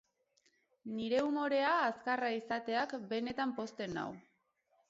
Nire umorea azkarra izateak benetan pozten nau.